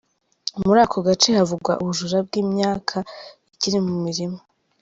Muri ako gace havugwa ubujura bw’imyaka ikiri mu mirima.